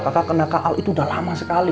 kakak kena kak al itu udah lama sekali